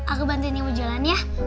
aku bantuin kamu jualan ya